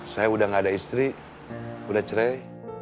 saya udah gak ada istri udah cerai